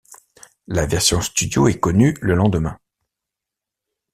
La version studio est connue le lendemain.